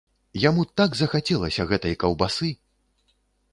Яму так захацелася гэтай каўбасы!